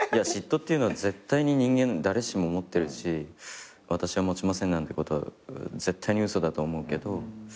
嫉妬っていうのは絶対人間誰しも持ってるし私は持ちませんなんてことは絶対に嘘だと思うけど。